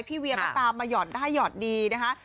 พี่เวี้ยมาตามมาหยอดได้หยอดดีนะฮะ